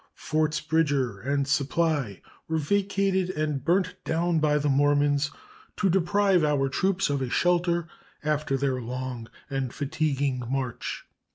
Forts Bridger and Supply were vacated and burnt down by the Mormons to deprive our troops of a shelter after their long and fatiguing march.